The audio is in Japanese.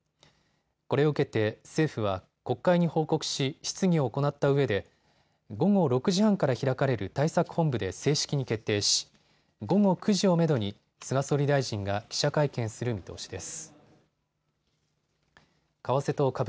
これを受けて政府は国会に報告し質疑を行ったうえで午後６時半から開かれる対策本部で正式に決定し午後９時をめどに菅総理大臣が記者会見する見通しです。